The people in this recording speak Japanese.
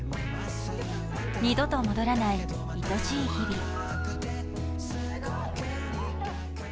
二度と戻らない、いとしい日々。